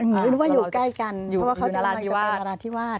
นึกว่าอยู่ใกล้กันเพราะว่าเขาอยู่นาราธิวาสเพราะว่าอยู่นาราธิวาส